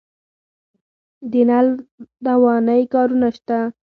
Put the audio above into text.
د نل دوانۍ کارونه شته